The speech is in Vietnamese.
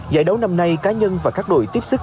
giải đấu năm nay cá nhân và các đội tiếp sức